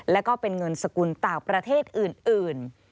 และก็เป็นเงินสกุลต่างประเทศอื่น